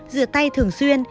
rửa tay thường xuyên